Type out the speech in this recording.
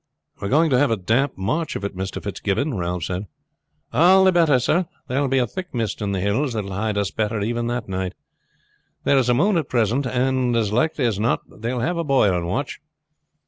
"We are going to have a damp march of it, Mr. Fitzgibbon," Ralph said. "All the better, sir. There will be a thick mist on the hills that will hide us better even than night. There is a moon at present, and as likely as not they will have a boy on watch.